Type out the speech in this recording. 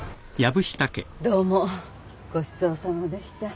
どうもごちそうさまでした。